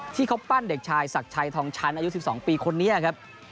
ที่เขาปั้นเด็กชายศักดิ์ชัยทองชั้นอายุ๑๒ปีคนนี้ครับ